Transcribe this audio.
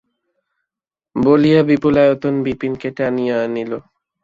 বলিয়া বিপুলায়তন বিপিনকে টানিয়া আনিল।